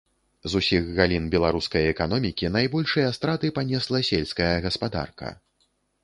З усіх галін беларускай эканомікі найбольшыя страты панесла сельская гаспадарка.